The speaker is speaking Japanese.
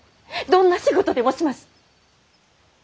どんな仕事でもします！